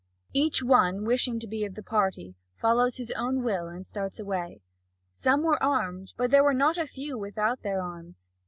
Each one, wishing to be of the party, follows his own will and starts away. Some were armed, but there were not a few without their arms.